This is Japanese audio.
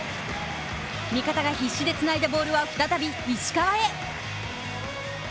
味方が必死でつないだボールは再び石川へ。